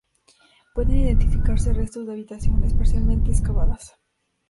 Pueden identificarse restos de habitaciones, parcialmente excavadas.